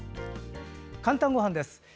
「かんたんごはん」です。